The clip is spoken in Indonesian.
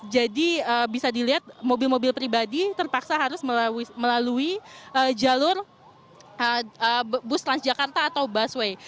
jadi bisa dilihat mobil mobil pribadi terpaksa harus melalui jalur bus transjakarta atau busway